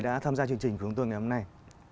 đã tham gia chương trình của chúng tôi ngày hôm nay